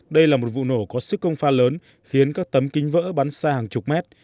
đây là một vụ nổ có sức công pha lớn khiến các tấm kính vỡ bắn xa hàng chục mét